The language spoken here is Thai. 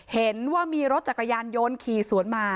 เห็นว่ามีรถจักรยานยนต์ขี่สวนมา